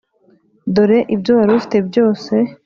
dore ibyo wari ufite byose,